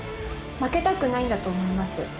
負けたくないんだと思います